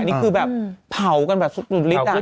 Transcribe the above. นี่คือแบบเผากันริต